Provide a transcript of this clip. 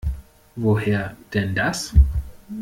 Woher denn das?